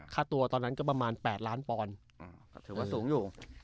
ค่าตัวตอนนั้นก็ประมาณ๘ล้านปอนด์ถือว่าสูงอยู่